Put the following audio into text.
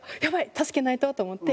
助けないと！と思って。